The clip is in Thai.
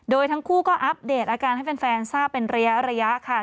โดยทั้งคู่ก็อัปเดตอาการให้แฟนทราบเป็นระยะค่ะ